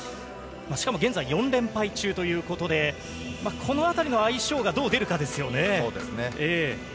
しかも現在４連敗中ということでこの辺りの相性はどう出るかですね。